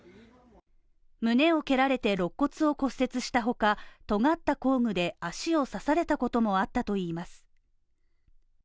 胸を蹴られて肋骨を骨折したほか、尖った工具で足を刺されたこともあったといいます。